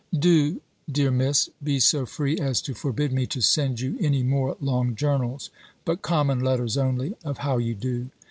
Do, dear Miss, be so free as to forbid me to send you any more long journals, but common letters only, of how you do?